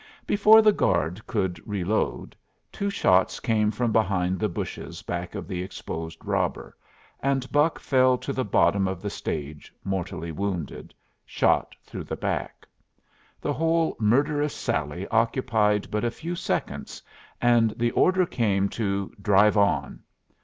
Before the guard could reload, two shots came from behind the bushes back of the exposed robber, and Buck fell to the bottom of the stage mortally wounded shot through the back. The whole murderous sally occupied but a few seconds, and the order came to 'Drive on.'